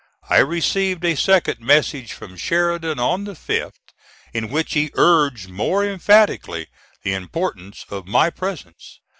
I received a second message from Sheridan on the 5th, in which he urged more emphatically the importance of my presence.